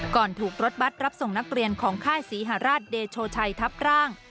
ถูกรถบัตรรับส่งนักเรียนของค่ายศรีหาราชเดโชชัยทับร่าง